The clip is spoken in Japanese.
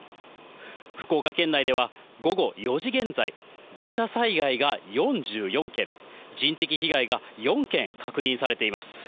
福岡県内では午後４時現在、土砂災害が４４件、人的被害が４件確認されています。